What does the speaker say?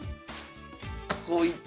こういった。